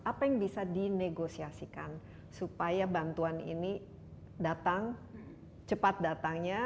apa yang bisa dinegosiasikan supaya bantuan ini datang cepat datangnya